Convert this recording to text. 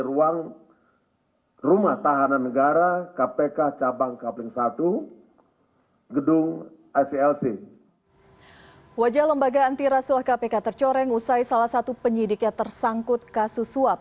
wajah lembaga antirasuah kpk tercoreng usai salah satu penyidiknya tersangkut kasus suap